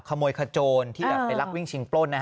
ขโมยขโจรที่แบบไปลักวิ่งชิงปล้น